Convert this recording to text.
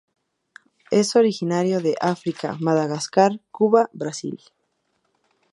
Es originario de África, Madagascar, Cuba, Brasil.